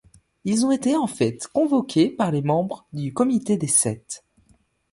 Ils ont été en fait convoqués par les membres du comité des sept.